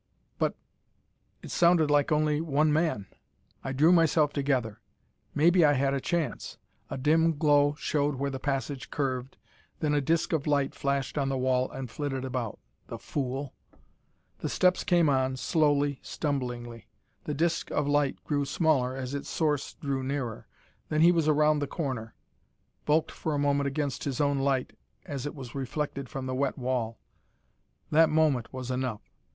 But it sounded like only one man. I drew myself together. Maybe I had a chance. A dim glow showed where the passage curved, then a disk of light flashed on the wall and flitted about. The fool! The steps came on, slowly, stumblingly. The disk of light grew smaller as its source drew nearer. Then he was around the corner, bulked for a moment against his own light as it was reflected from the wet wall. That moment was enough!